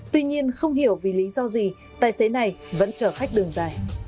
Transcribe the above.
tuy nhiên không hiểu vì lý do gì tài xế này vẫn chở khách đường dài